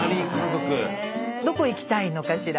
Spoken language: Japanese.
どこ行きたいのかしら？